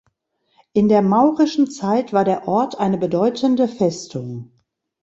In der maurischen Zeit war der Ort eine bedeutende Festung.